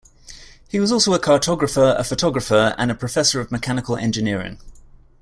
He was also a cartographer, a photographer and a professor of mechanical engineering.